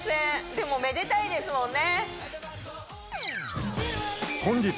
でもめでたいですもんね